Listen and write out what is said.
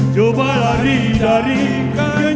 coba lari jangan pergi